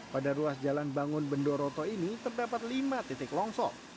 pada ruas jalan bangun bendoroto ini terdapat lima titik longsor